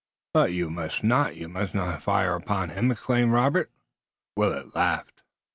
"But you must not! You must not fire upon him!" exclaimed Robert. Willet laughed.